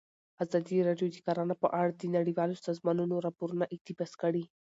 ازادي راډیو د کرهنه په اړه د نړیوالو سازمانونو راپورونه اقتباس کړي.